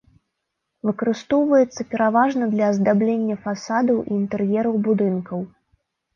Выкарыстоўваецца пераважна для аздаблення фасадаў і інтэр'ераў будынкаў.